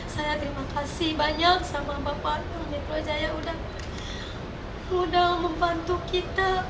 saya terima kasih banyak sama bapak atul mitra jaya sudah membantu kita